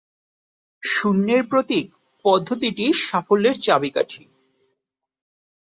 শূন্যের প্রতীক পদ্ধতিটির সাফল্যের চাবিকাঠি।